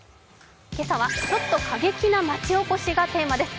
今朝はちょっと過激な町おこしがテーマです。